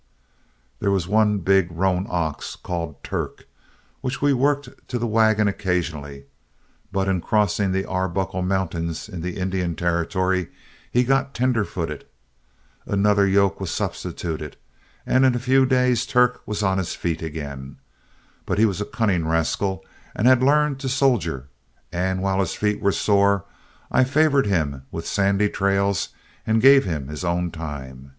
"There was one big roan ox, called Turk, which we worked to the wagon occasionally, but in crossing the Arbuckle Mountains in the Indian Territory, he got tender footed. Another yoke was substituted, and in a few days Turk was on his feet again. But he was a cunning rascal and had learned to soldier, and while his feet were sore, I favored him with sandy trails and gave him his own time.